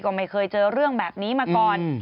ก็ไม่เคยเจอเรื่องแบบนี้มาก่อน